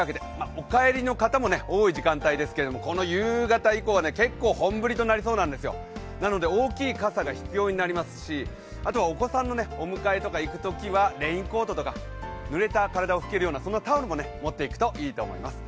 お帰りの方も多い時間帯ですけれども、この夕方以降は結構本降りとなりそうなんですよる大きい傘が必要になりますしあとはお子さんのお迎えいくときはレインコートとかぬれた体を拭けるようなタオルも持っていくといいと思います。